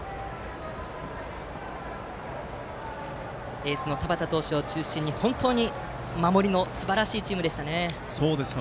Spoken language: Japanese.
エースの田端投手を中心に本当に守りのすばらしいチームでしたね。